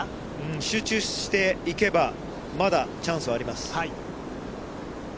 集中していけば、まだチャンスはあります。